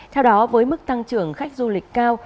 theo đó với mức tăng trưởng khách du lịch cao